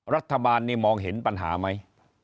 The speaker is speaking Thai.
รัฐบาลนี่มองเห็นปัญหาไหม